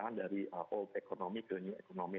semangatnya adalah terpindah dari old economy ke new economy